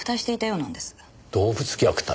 動物虐待。